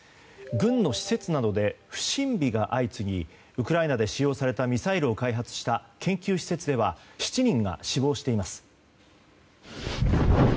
軍の施設などで不審火が相次ぎウクライナで使用されたミサイルを開発した研究施設では７人が死亡しています。